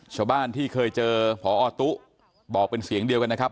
ชาวบ้านที่เคยเจอพอตุ๊บอกเป็นเสียงเดียวกันนะครับ